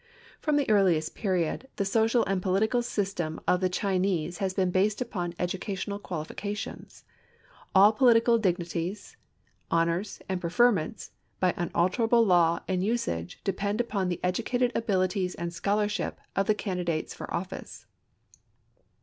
From the earliest period, the social and political system of the Chinese has been based upon educational qualifications. All political dignities, honors and preferments, by unalterable law and usage depend upon the educated abilities and scholarship of candidates for office.